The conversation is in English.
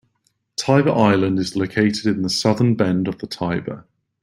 Tiber Island is located in the southern bend of the Tiber.